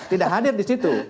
tidak hadir di situ